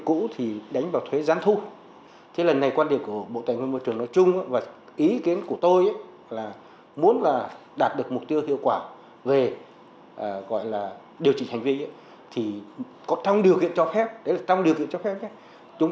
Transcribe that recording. cũng như hành vi của người tiêu dùng